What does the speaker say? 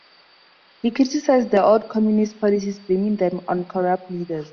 He criticised the old communist policies, blaming them on corrupt leaders.